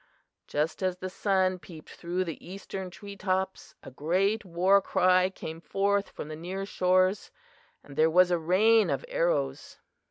Just as the sun peeped through the eastern tree tops a great warcry came forth from the near shores, and there was a rain of arrows.